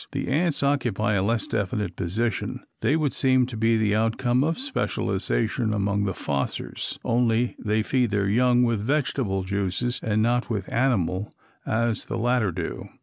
The ants occupy a less definite position: they would seem to be the outcome of specialization among the fossors, only they feed their young with vegetable juices and not with animal as the latter do.